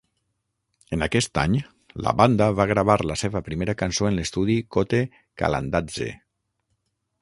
En aquest any, la banda va gravar la seva primera cançó en l'estudi "kote kalandadze".